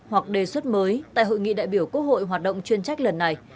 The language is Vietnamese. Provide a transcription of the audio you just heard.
hoặc đề xuất mới tại hội nghị đại biểu quốc hội hoạt động chuyên trách lần này